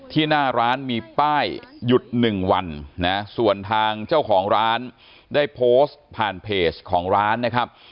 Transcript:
หน้าร้านมีป้ายหยุดหนึ่งวันนะส่วนทางเจ้าของร้านได้โพสต์ผ่านเพจของร้านนะครับ